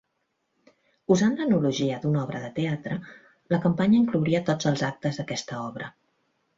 Usant l'analogia d'una obra de teatre, la campanya inclouria tots els actes d'aquesta obra.